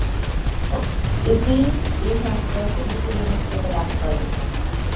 এটিই এই সংস্করণটি দ্রুত জনপ্রিয়তা লাভ করে।